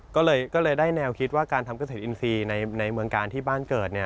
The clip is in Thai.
ก็เลยได้แนวคิดว่าการทำเกษตรอินทรีย์ในเมืองกาลที่บ้านเกิด